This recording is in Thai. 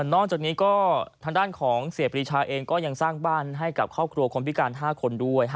นอกจากนี้ก็ทางด้านของเสียปรีชาเองก็ยังสร้างบ้านให้กับครอบครัวคนพิการ๕คนด้วย